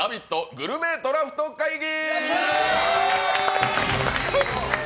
グルメドラフト会議！」。